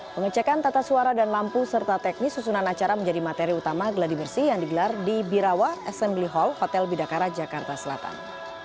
pengecekan tata suara dan lampu serta teknis susunan acara menjadi materi utama geladi bersih yang digelar di birawa assembly hall hotel bidakara jakarta selatan